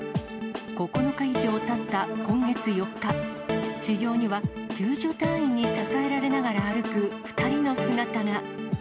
９日以上たった今月４日、地上には救助隊員に支えられながら歩く２人の姿が。